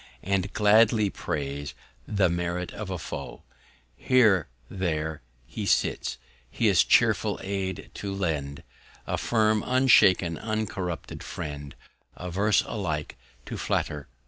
And gladly praise the Merit of a Foe. Here, there he sits, his chearful Aid to lend; A firm, unshaken, uncorrupted Friend, Averse alike to flatter or offend.